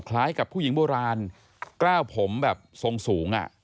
คล้ายกับผู้หญิงโบราณกล้าวผมแบบทรงสูง